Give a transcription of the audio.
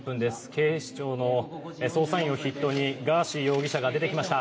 警視庁の捜査員を筆頭にガーシー容疑者が出てきました。